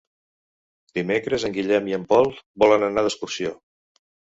Dimecres en Guillem i en Pol volen anar d'excursió.